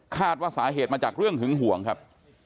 ว่าสาเหตุมาจากเรื่องหึงห่วงครับ